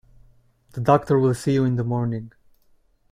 The doctor will see you in the morning.